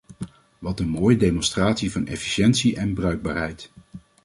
Wat een mooie demonstratie van efficiëntie en bruikbaarheid!